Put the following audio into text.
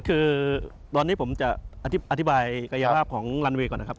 คือตอนนี้ผมจะอธิบายกายภาพของลันเวย์ก่อนนะครับ